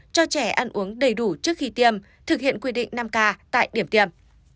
cho trẻ ăn uống đầy đủ trước khi tiêm thực hiện quy định năm k tại điểm tiêm